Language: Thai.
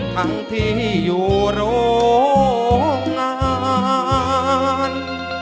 ทั้งที่อยู่โรงงาน